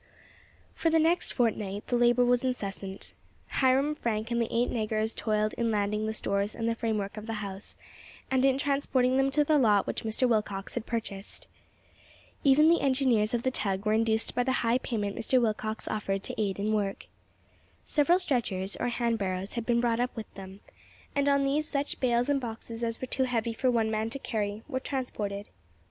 For the next fortnight the labour was incessant. Hiram, Frank, and the eight negroes toiled in landing the stores and the framework of the house, and in transporting them to the lot which Mr. Willcox had purchased. Even the engineers of the tug were induced by the high payment Mr. Willcox offered to aid in the work. Several stretchers, or hand barrows, had been brought up with them, and on these such bales and boxes as were too heavy for one man to carry were transported.